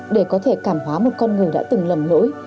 để có thể cảm hóa một con người đã từng lầm lỗi